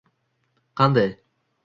Qanday